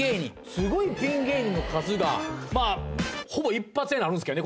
すごいピン芸人の数が。になるんですけどね